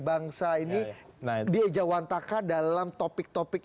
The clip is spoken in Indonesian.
bangsa ini nah di eja wantaka dalam topik topik